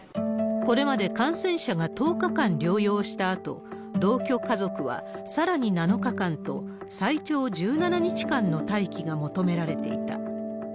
これまで、感染者が１０日間療養したあと、同居家族はさらに７日間と、最長１７日間の待機が求められていた。